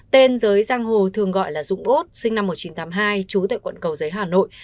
tên giới giang hồ thường gọi là dũng út sinh năm một nghìn chín trăm tám mươi hai trú tại quận cầu giấy hà nội